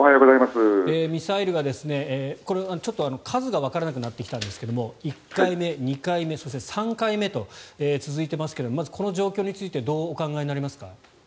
ミサイルが、数がわからなくなってきたんですが１回目、２回目そして３回目と続いていますがまずこの状況についてどうお考えになりますか。